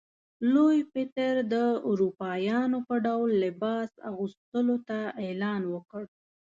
لوی پطر د اروپایانو په ډول لباس اغوستلو ته اعلان وکړ.